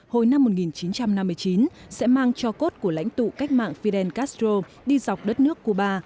hồi năm một nghìn chín trăm năm mươi chín sẽ mang cho cốt của lãnh tụ cách mạng fidel castro đi dọc đất nước cuba